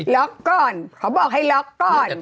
ล็อกก่อนเขาบอกให้ล็อกก่อน